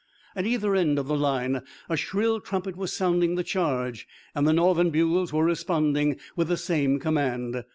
At either end of the line a shrill trumpet was sounding the charge, and the Northern bugles were responding with the same command.